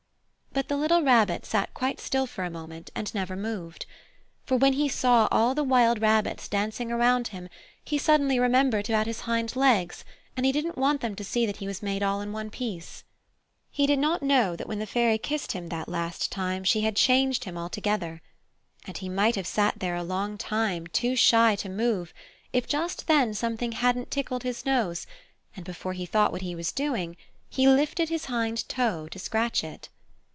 But the little Rabbit sat quite still for a moment and never moved. For when he saw all the wild rabbits dancing around him he suddenly remembered about his hind legs, and he didn't want them to see that he was made all in one piece. He did not know that when the Fairy kissed him that last time she had changed him altogether. And he might have sat there a long time, too shy to move, if just then something hadn't tickled his nose, and before he thought what he was doing he lifted his hind toe to scratch it.